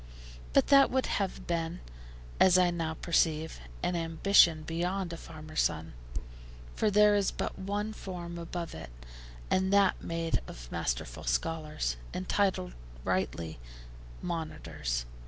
But that would have been, as I now perceive, an ambition beyond a farmer's son; for there is but one form above it, and that made of masterful scholars, entitled rightly 'monitors'.